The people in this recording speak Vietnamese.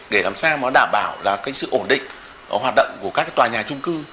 để làm sao mà đảm bảo là cái sự ổn định hoạt động của các tòa nhà trung cư